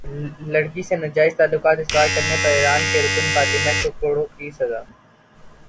لڑکی سے ناجائز تعلقات استوار کرنے پر ایران کے رکن پارلیمنٹ کو کوڑوں کی سزا